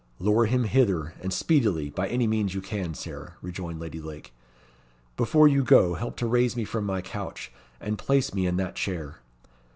"Lure him hither, and speedily, by any means you can, Sarah," rejoined Lady Lake. "Before you go, help to raise me from my couch, and place me in that chair.